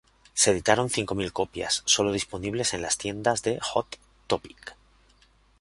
Se editaron cinco mil copias sólo disponibles en las tiendas de Hot Topic.